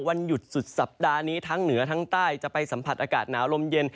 วันหยุดสุดสัปดาห์นี้ทั้งเหนือทั้งใต้จะไปสัมผัสอากาศหนาวลมเย็น